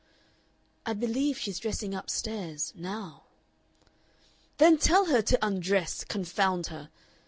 "I believe she's dressing up stairs now." "Then tell her to undress, confound her!"